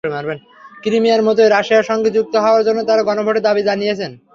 ক্রিমিয়ার মতোই রাশিয়ার সঙ্গে যুক্ত হওয়ার জন্য তারা গণভোটের দাবি জানিয়েছে।